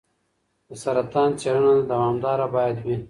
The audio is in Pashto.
د سرطان څېړنه دوامداره باید وي.